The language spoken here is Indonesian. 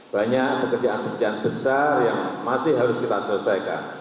banyak pekerjaan pekerjaan besar yang masih harus kita selesaikan